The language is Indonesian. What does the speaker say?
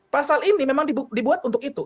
pasal ini memang dibuat untuk itu